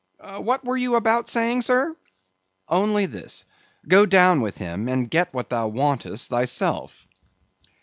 What were you about saying, sir?" "Only this: go down with him, and get what thou wantest thyself."